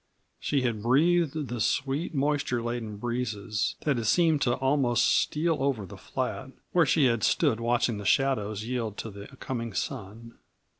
She had breathed the sweet, moisture laden breezes that had seemed to almost steal over the flat where she had stood watching the shadows yield to the coming sun.